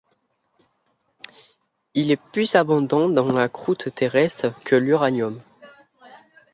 Il est plus abondant dans la croûte terrestre que l'uranium.